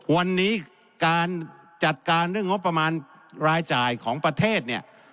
วันนี้การจัดการเรื่องงบประมาณรายจ่ายของประเทศเนี่ย